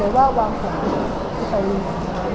และเป็นช่วงนี้เจียงค่อยเอาคนครับ